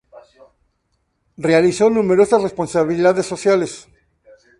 Realizó numerosas responsabilidades sociales.